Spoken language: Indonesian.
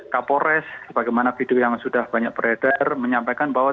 kapolres sebagaimana video yang sudah banyak beredar menyampaikan bahwa